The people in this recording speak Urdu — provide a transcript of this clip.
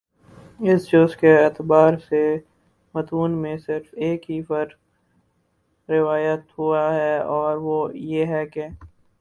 اس جز کے اعتبار سے متون میں صرف ایک ہی فرق روایت ہوا ہے اور وہ یہ ہے کہ